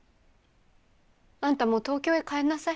あんたもう東京へ帰んなさい。